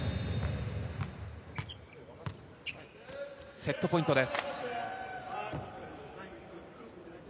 セットポイントです。